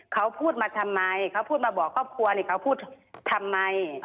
เขาพูดมาทำไมเขาพูดมาบอกครอบครัวนี่เขาพูดทำไม